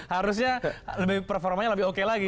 harusnya performanya lebih oke lagi